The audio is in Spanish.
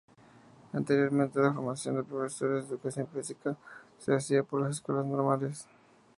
Anteriormente la formación de profesores de educación básica se hacía por las escuelas normales.